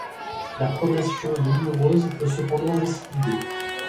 La pronation douloureuse peut cependant récidiver.